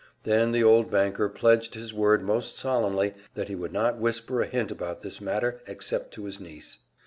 Then the old banker pledged his word most solemnly that he would not whisper a hint about this matter except to his niece.